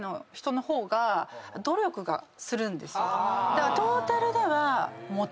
だから。